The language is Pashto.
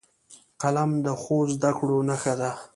قلم د ښو زدهکړو نښه ده